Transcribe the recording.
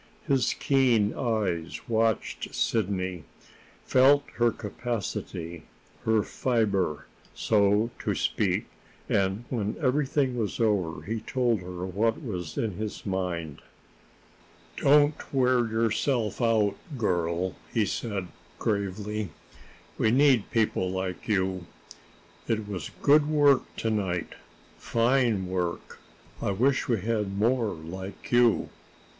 His keen eyes watched Sidney felt her capacity, her fiber, so to speak; and, when everything was over, he told her what was in his mind. "Don't wear yourself out, girl," he said gravely. "We need people like you. It was good work to night fine work. I wish we had more like you."